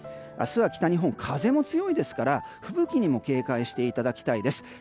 明日は北日本、風も強いですから吹雪にも警戒していただきたいです。